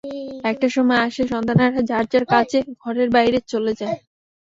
একটা সময় আসে, সন্তানেরা যার যার কাজে ঘরের বাইরে চলে যায়।